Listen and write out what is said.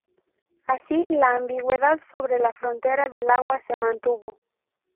Así, la ambigüedad sobre la frontera del agua se mantuvo.